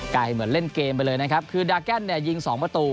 เหมือนเล่นเกมไปเลยนะครับคือดาแกนเนี่ยยิงสองประตู